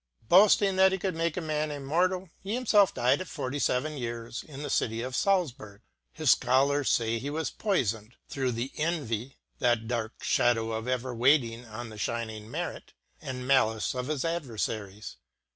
Boafting that he could make a man immortall, he himfelf died at fourty feven years in the City of Saltzburg. His Scho lars (ay he was poyfoned through the envy ( that dark fha dow ever waiting on a Alining merit) and malice of his ad* verfaries.